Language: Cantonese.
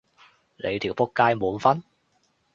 你條僕街滿分？